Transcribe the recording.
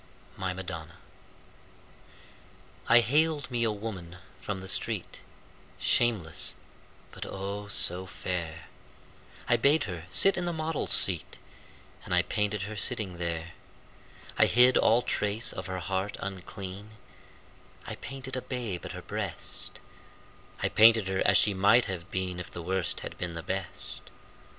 My Madonna I haled me a woman from the street, Shameless, but, oh, so fair! I bade her sit in the model's seat And I painted her sitting there. I hid all trace of her heart unclean; I painted a babe at her breast; I painted her as she might have been If the Worst had been the Best.